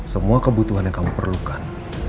semua kebutuhan yang kamu perlukan